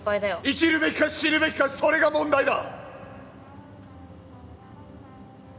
生きるべきか死ぬべきかそれが問題だ！